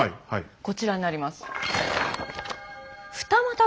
こちらになります。